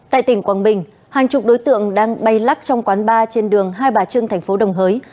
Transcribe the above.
tại tỉnh quảng bình hàng chục đối tượng đang bay lắc trong quán bar trên đường hai bà trưng thành phố đồng hới